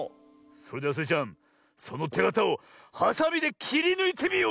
それではスイちゃんそのてがたをはさみできりぬいてみよ！